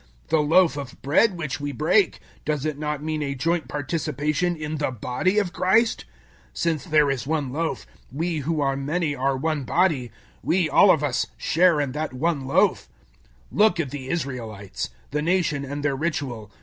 The loaf of bread which we break, does it not mean a joint participation in the body of Christ? 010:017 Since there is one loaf, we who are many are one body; we, all of us, share in that one loaf. 010:018 Look at the Israelites the nation and their ritual.